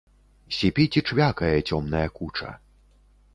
Сіпіць і чвякае цёмная куча.